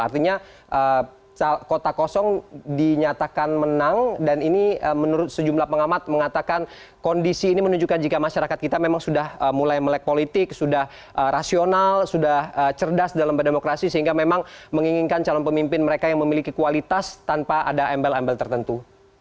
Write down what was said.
artinya kota kosong dinyatakan menang dan ini menurut sejumlah pengamat mengatakan kondisi ini menunjukkan jika masyarakat kita memang sudah mulai melek politik sudah rasional sudah cerdas dalam berdemokrasi sehingga memang menginginkan calon pemimpin mereka yang memiliki kualitas tanpa ada embel embel tertentu